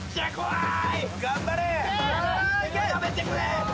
・頑張れ！